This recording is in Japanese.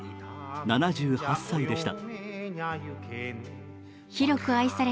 ７８歳でした。